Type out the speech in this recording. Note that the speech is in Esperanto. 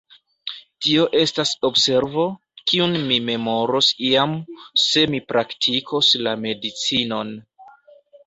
Tio estas observo, kiun mi memoros iam, se mi praktikos la medicinon.